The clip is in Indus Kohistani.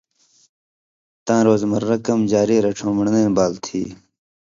تاں روزمرہ کمہۡ جاری رڇھؤں من٘ڑنئ بال تھی